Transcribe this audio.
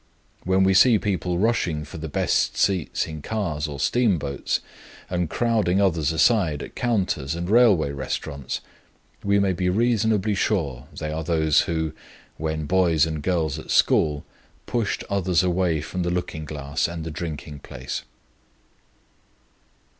When we see people rushing for the best seats in cars or steamboats, and crowding others aside at counters and railroad restaurants, we may be reasonably sure they are those who, when boys and girls at school, pushed others away from the looking glass and the drinking place.